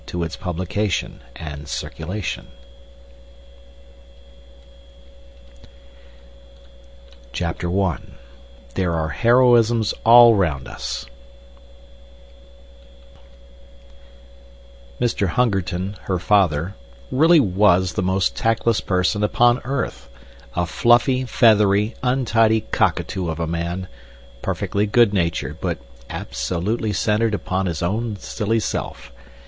THE LOST WORLD The Lost World CHAPTER I "There Are Heroisms All Round Us" Mr. Hungerton, her father, really was the most tactless person upon earth, a fluffy, feathery, untidy cockatoo of a man, perfectly good natured, but absolutely centered upon his own silly self.